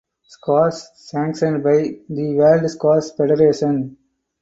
Squash sanctioned by the World Squash Federation.